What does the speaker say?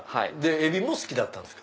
エビも好きだったんですか？